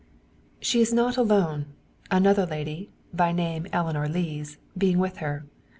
She is not alone; another lady, by name Eleanor Lees, being with her.